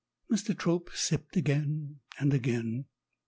Mr. Trope sipped again and again.